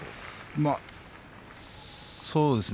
まあ、そうですね。